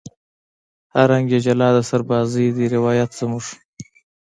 هر رنگ یې جلا د سربازۍ دی روایت زموږ